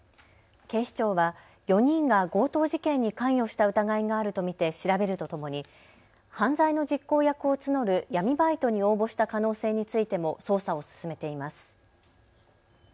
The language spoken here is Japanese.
警視庁は４人が強盗事件に関与した疑いがあると見て調べるとともに犯罪の実行役を募る闇バイトに応募した可能性についても捜査を進めています。